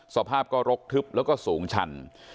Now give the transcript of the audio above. สภาพก็รกทึบแล้วก็สูงชัน